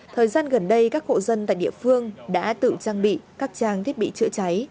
thời gian gần đây các hộ dân tại địa phương đã tự trang bị các trang thiết bị chữa cháy